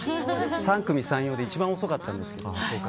三組三様で一番遅かったんですけど。